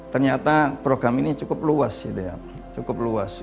ternyata program ini cukup luas